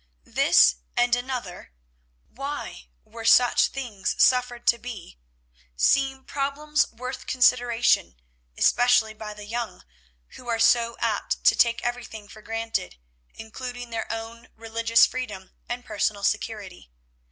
This and another—Why were such things suffered to be?—seem problems worth consideration, especially by the young, who are so apt to take everything for granted, including their own religious freedom and personal security.